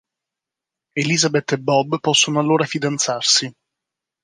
Elizabeth e Bob possono allora fidanzarsi.